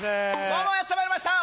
どうもやってまいりました。